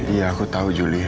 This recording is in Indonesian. iya aku tau juli